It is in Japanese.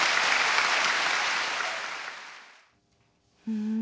うん。